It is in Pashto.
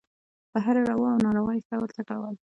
په هرې روا او ناروا یې «ښه» ورته کول.